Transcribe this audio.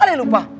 ada yang lupa